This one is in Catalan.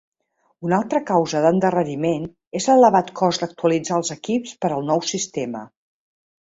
Una altra causa d'endarreriment és l'elevat cost d'actualitzar els equips per al nou sistema.